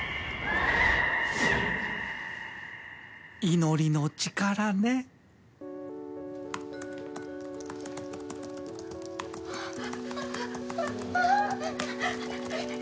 祈りの力ねあっ。